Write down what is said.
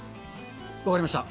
分かりました。